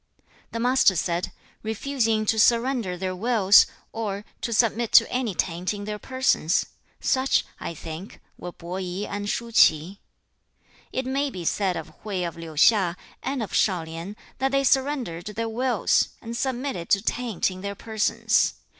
2. The Master said, 'Refusing to surrender their wills, or to submit to any taint in their persons; such, I think, were Po i and Shu ch'i. 3. 'It may be said of Hui of Liu hsia, and of Shao lien, that they surrendered their wills, and submitted to taint in their persons, 中倫/行中慮/其斯而已矣.